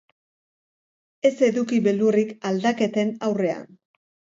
Ez eduki beldurrik aldaketen aurrean.